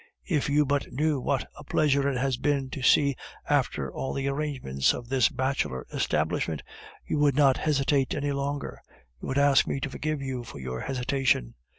If you but knew what a pleasure it has been to see after all the arrangements of this bachelor establishment, you would not hesitate any longer, you would ask me to forgive you for your hesitation.